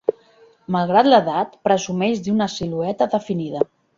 Malgrat l'edat, presumeix d'una silueta definida.